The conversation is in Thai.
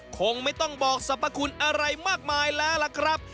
คงไม่ต้องบอกสรรพคุณอะไรมากมายแล้วล่ะครับ